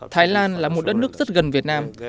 thái lan là một đất nước rất gần việt nam